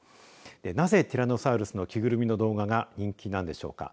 なぜティラノサウルスの着ぐるみが人気なのでしょうか。